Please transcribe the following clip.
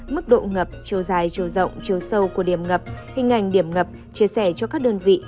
mức độ ngập chiều dài chiều rộng chiều sâu của điểm ngập hình ảnh điểm ngập chia sẻ cho các đơn vị